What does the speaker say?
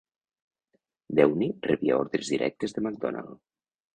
Dewdney rebia ordres directes de Macdonald.